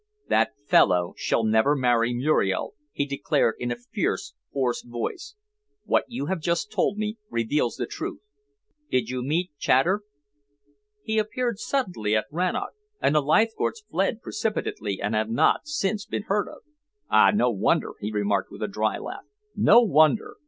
"That fellow shall never marry Muriel," he declared in a fierce, hoarse voice. "What you have just told me reveals the truth. Did you meet Chater?" "He appeared suddenly at Rannoch, and the Leithcourts fled precipitately and have not since been heard of." "Ah, no wonder!" he remarked with a dry laugh. "No wonder!